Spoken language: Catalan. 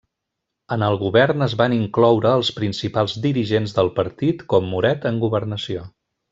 En el govern es van incloure els principals dirigents del partit, com Moret en Governació.